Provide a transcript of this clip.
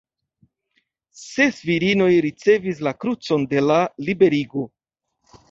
Ses virinoj ricevis la krucon de la Liberigo.